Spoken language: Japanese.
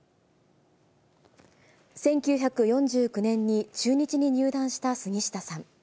１９４９年に中日に入団した杉下さん。